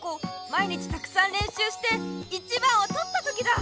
毎日たくさんれんしゅうして１番をとった時だ！